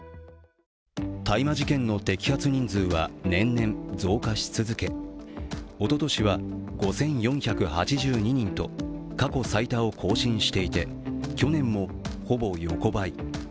大麻事件の摘発人数は年々、増加し続けおととしは５４８２人と過去最多を更新していて去年もほぼ横ばい。